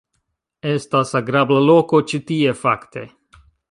- Estas agrabla loko ĉi tie, fakte.